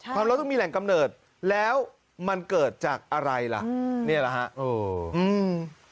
ความร้อนต้องมีแหล่งกำเนิดแล้วมันเกิดจากอะไรล่ะอืมนี่แหละฮะเอออืม